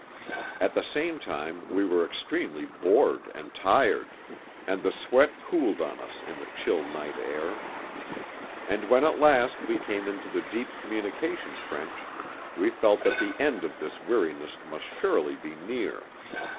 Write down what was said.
At the same time we were extremely bored and tired, and the sweat cooled on us in the chill night air. And when at last we came into the deep communication trench we felt that the end of this weariness must surely be near.